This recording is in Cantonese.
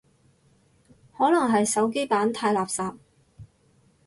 可能係手機版太垃圾